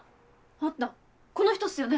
あったこの人っすよね。